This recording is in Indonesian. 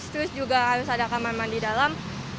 terus juga harus ada kamar mandi dalam